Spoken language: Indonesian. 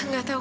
gak tau kan